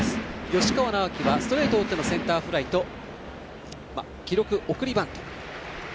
吉川尚輝はストレートを打ってのセンターフライとあと、記録は送りバント。